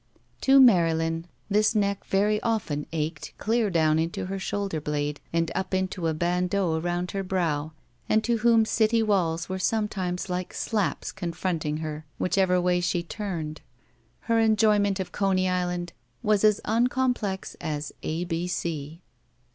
To Marylin, whose neck very often ached clear down into her shoulder blade and up into a bandeau arotmd her brow, and to whom city walls were sometimes like slaps confronting her whichever way she ttamed, her enjoyment of Coney Island was as unoomplex as A B C.